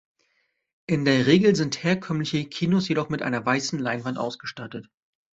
In der Regel sind herkömmliche Kinos jedoch mit einer weißen Leinwand ausgestattet.